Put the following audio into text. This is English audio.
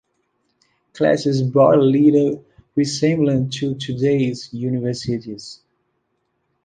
Classes bore little resemblance to today's universities.